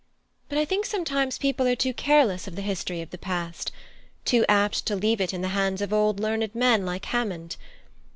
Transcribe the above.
But I think sometimes people are too careless of the history of the past too apt to leave it in the hands of old learned men like Hammond.